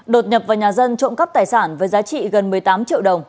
đột nhập vào nhà dân trộm cắp tài sản với giá trị gần một mươi tám triệu đồng